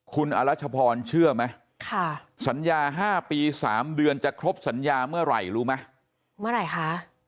คุณอรัชพรเชื่อไหมสัญญา๕ปี๓เดือนจะครบสัญญาเมื่อไหร่รู้ไหมเมื่อไหร่คะ